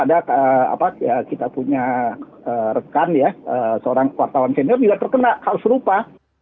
ada kita punya rekan ya seorang wartawan senior juga terkena hal serupa